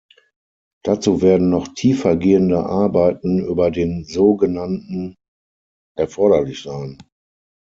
Dazu werden noch tiefergehende Arbeiten über den so genannten erforderlich sein.